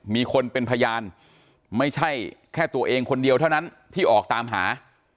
มีคนเป็นพยานไม่ใช่แค่ตัวเองคนเดียวเท่านั้นที่ออกตามหา